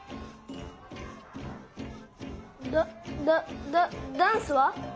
ダダダダンスは？